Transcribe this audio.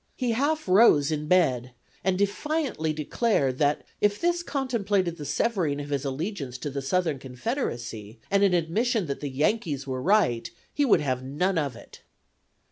He half rose in bed and defiantly declared that if this contemplated the severing of his allegiance to the Southern Confederacy and an admission that the "Yankees" were right he would have none of it.